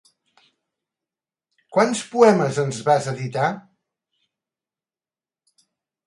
Quants poemes es van editar?